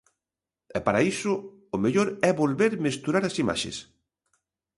E, para iso, o mellor é volver mesturar as imaxes.